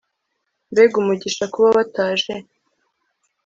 Mbega umugisha kuba bataje